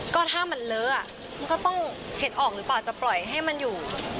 ก็ถ้ามันเลอะมันก็ต้องเช็ดออกหรือเปล่าจะปล่อยให้มันอยู่